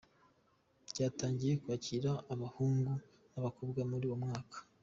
Ryatangiye kwakira abahungu n’abakobwa muri uwo mwaka.